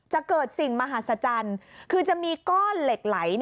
จะเกิดสิ่งมหัศจรรย์คือจะมีก้อนเหล็กไหล